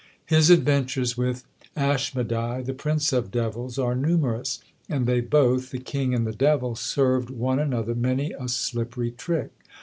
His adventures with Aschmedai, the prince of devils, are numerous; and they both (the king and the devil) served one another many a slippery trick.